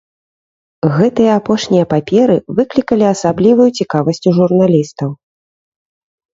Гэтыя апошнія паперы выклікалі асаблівую цікавасць у журналістаў.